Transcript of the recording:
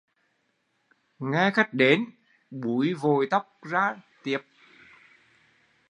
Nghe khách đến búi vội tóc ra tiếp